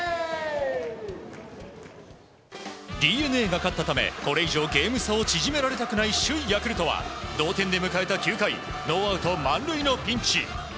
ＤｅＮＡが勝ったためこれ以上ゲーム差を縮められたくない首位ヤクルトは同点で迎えた９回ノーアウト満塁のピンチ。